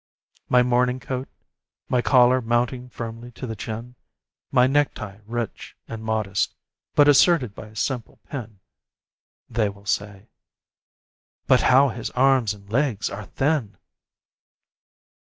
My morning coat, my collar mounting firmly to the chin, My necktie rich and modest, but asserted by a simple pin (They will say: "But how his arms and legs are thin!")